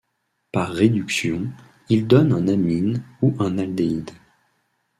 Par réduction, il donne un amine ou un aldéhyde.